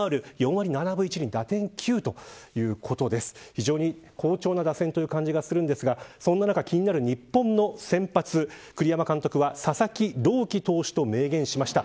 非常に好調な打線という感じがしますがそんな中、気になる日本の先発栗山監督は佐々木朗希投手と明言しました。